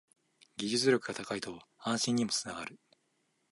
技術力が高いと安心にもつながる